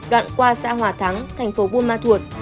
đoạn qua xã hòa thắng thành phố buôn ma thuột